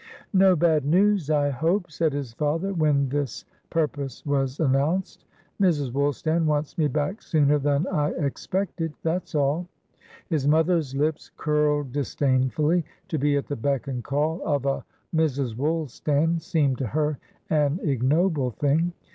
"No bad news, I hope?" said his father, when this purpose was announced. "Mrs. Woolstan wants me back sooner than I expected, that's all." His mother's lips curled disdainfully. To be at the beck and call of a Mrs. Woolstan, seemed to her an ignoble thing.